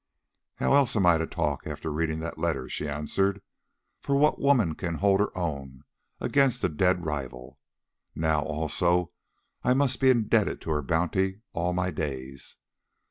"How else am I to talk after reading that letter?" she answered, "for what woman can hold her own against a dead rival? Now also I must be indebted to her bounty all my days.